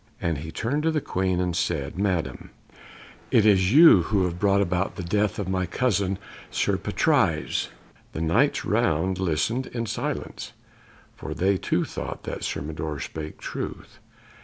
And he turned to the Queen and said "Madam, it is you who have brought about the death of my cousin Sir Patrise!" The Knights round listened in silence, for they too thought Sir Mador spake truth.